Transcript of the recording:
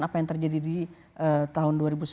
apa yang terjadi di tahun dua ribu sembilan belas